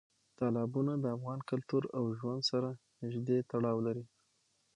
تالابونه د افغان کلتور او ژوند سره نږدې تړاو لري.